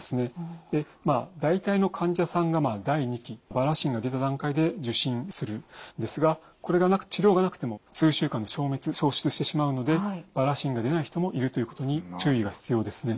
大体の患者さんが第２期バラ疹が出た段階で受診するんですが治療がなくても数週間で消失してしまうのでバラ疹が出ない人もいるということに注意が必要ですね。